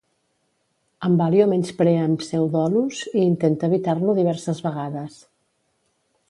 En Ballio menysprea en Pseudolus i intenta evitar-lo diverses vegades.